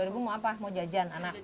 dua ribu mau apa mau jajan anak